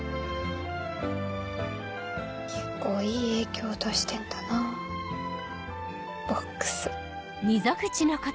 結構いい影響出してんだなボックス。